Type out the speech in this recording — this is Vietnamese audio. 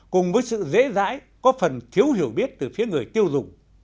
cùng với sự dễ dãi có phần thiếu hiểu biết từ phía người tiêu dùng